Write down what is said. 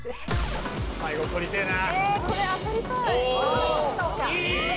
最後取りてぇな。